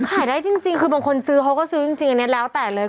ขายได้จริงคือบางคนซื้อเขาก็ซื้อจริงอันนี้แล้วแต่เลย